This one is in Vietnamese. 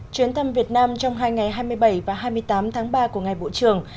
chuyến thăm việt nam trong hai ngày hai mươi bảy và hai mươi tám tháng ba của ngài bộ trưởng